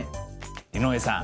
井上さん